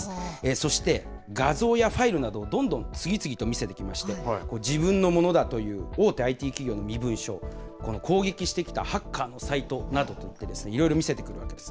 そして、画像やファイルなどどんどん、次々と見せてきまして、自分のものだという大手ＩＴ企業の身分証、攻撃してきたハッカーのサイトなどと言って、いろいろ見せてくるわけです。